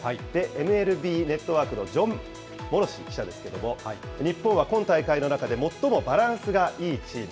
ＭＬＢネットワークのジョン・モロシ記者ですけれども、日本は今大会の中で最もバランスがいいチーム。